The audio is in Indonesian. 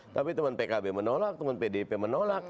tapi teman pkb menolak teman pdip menolak